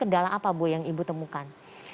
kendala apa bu yang ibu temukan